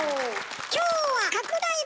今日は拡大版！